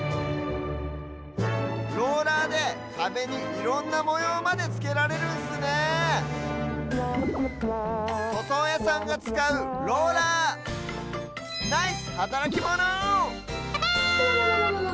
ローラーでかべにいろんなもようまでつけられるんすね！とそうやさんがつかう「ローラー」ナイスはたらきモノ！